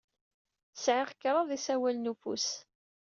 Sɛiɣ kraḍ n yisawalen n ufus.